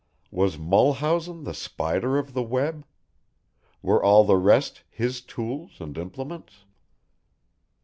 Was Mulhausen the spider of the web? Were all the rest his tools and implements?